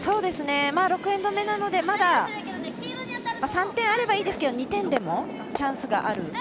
６エンド目なので、まだ３点あればいいですけど２点でもチャンスがある。